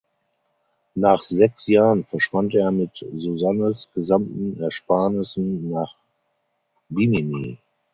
Nach sechs Jahren verschwand er mit Suzannes gesamten Ersparnissen nach Bimini.